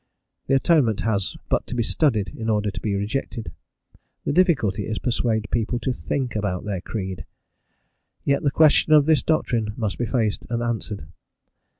The Atonement has but to be studied in order to be rejected. The difficulty is to persuade people to think about their creed, Yet the question of this doctrine must be faced and answered.